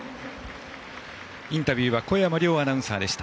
インタビューは小山凌アナウンサーでした。